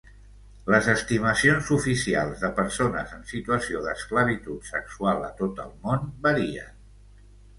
Les estimacions oficials de persones en situació d'esclavitud sexual a tot el món varien.